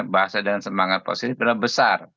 bahasa dan semangat positif adalah besar